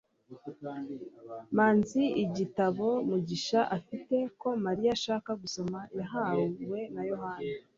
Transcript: manzi igitabo mugisha afite ko mariya ashaka gusoma yahawe na yohana